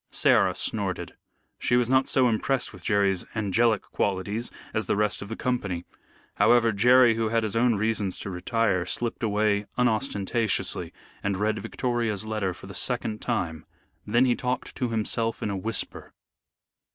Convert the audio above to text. Sarah snorted. She was not so impressed with Jerry's angelic qualities as the rest of the company. However, Jerry, who had his own reasons to retire, slipped away unostentatiously and read Victoria's letter for the second time. Then he talked to himself in a whisper.